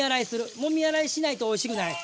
もみ洗いしないとおいしくない。